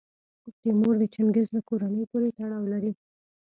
تیمور د چنګیز له کورنۍ پورې تړاو لري.